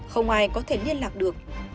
không ai có thể liên lạc được